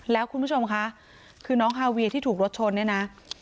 แล้วคุณผู้ชมคะคือน้องฮาเวียที่ถูกรถชนเนี่ยนะ